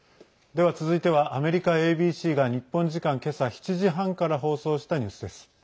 では続いてはアメリカＡＢＣが日本時間、今朝７時半から放送したニュースです。